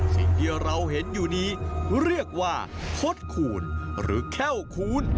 สิ่งที่เราเห็นอยู่นี้เรียกว่าคดคูณหรือแค่วคูณ